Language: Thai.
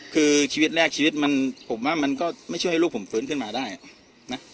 คือชีวิตแรกชีวิตมันผมว่ามันก็ไม่ช่วยให้ลูกผมฟื้นขึ้นมาได้นะ